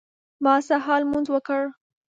ما سهار لمونځ وکړ.